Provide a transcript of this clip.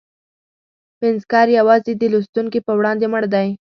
پنځګر یوازې د لوستونکي په وړاندې مړ دی.